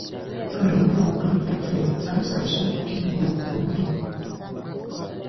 Hərma lukutu suke ziza siɗefet monko.